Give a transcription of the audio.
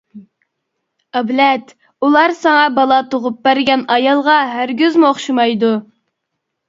ئابلەت:-ئۇلار ساڭا بالا تۇغۇپ بەرگەن ئايالغا ھەرگىزمۇ ئوخشىمايدۇ.